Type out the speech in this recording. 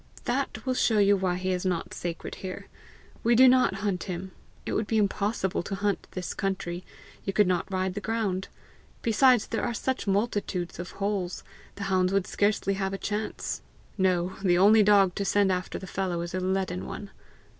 "That will show you why he is not sacred here: we do not hunt him. It would be impossible to hunt this country; you could not ride the ground. Besides, there are such multitudes of holes, the hounds would scarcely have a chance. No; the only dog to send after the fellow is a leaden one."